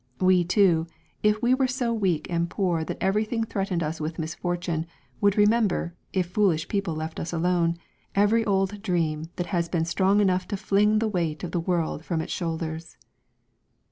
We too, if we were so weak and poor that everything threatened us with misfortune, would re member, if foolish people left us alone, every old dream that has been strong enough to fling the weight of the world from its shoulders.